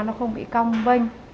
nó không bị cong vênh